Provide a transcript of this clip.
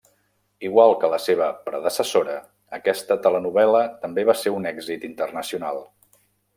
Igual que la seva predecessora, aquesta telenovel·la també va ser un èxit internacional.